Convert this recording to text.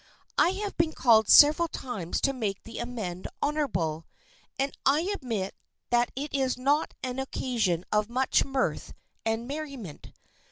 I have been called upon several times to make the amende honorable, and I admit that it is not an occasion of much mirth and merriment.